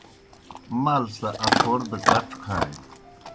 مال سہ اکھور دہ کڇ کھانیْ۔